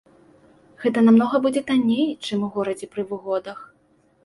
Гэта намнога будзе танней, чым у горадзе пры выгодах.